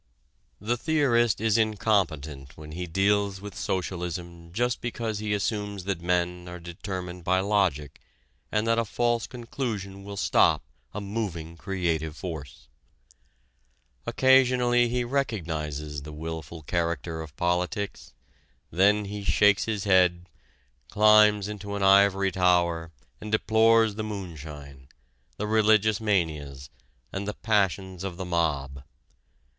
The theorist is incompetent when he deals with socialism just because he assumes that men are determined by logic and that a false conclusion will stop a moving, creative force. Occasionally he recognizes the wilful character of politics: then he shakes his head, climbs into an ivory tower and deplores the moonshine, the religious manias and the passions of the mob.